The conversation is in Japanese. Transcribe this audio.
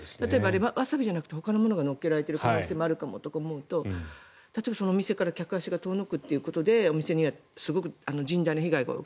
ワサビじゃなくてほかのものが乗せられている可能性があるとなると例えば、その店から客足が遠のくということでそのお店には甚大な被害が及ぶ。